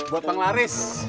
buat pang laris